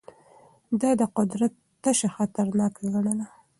ده د قدرت تشه خطرناکه ګڼله.